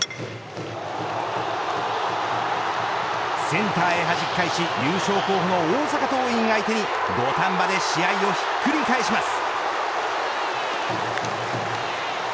センターへはじき返し優勝候補の大阪桐蔭を相手に土壇場で試合をひっくり返します。